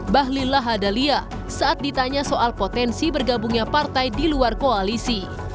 bahlil lahadalia saat ditanya soal potensi bergabungnya partai di luar koalisi